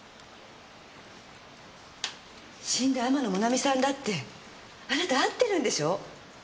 死んだ天野もなみさんだってあなた会ってるんでしょう？